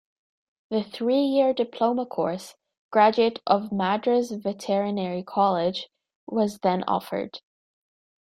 The three-year diploma course, Graduate of Madras Veterinary College, was then offered.